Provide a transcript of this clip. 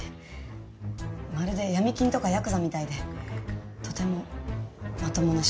まるで闇金とかヤクザみたいでとてもまともな仕事とは。